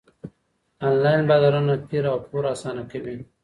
انلاين بازارونه پېر او پلور اسانه کوي.